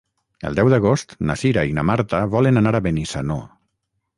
El deu d'agost na Cira i na Marta volen anar a Benissanó.